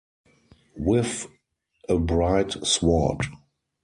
With a bright sword.